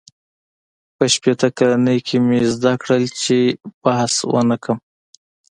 • په شپېته کلنۍ کې مې زده کړل، چې بحث ونهکړم.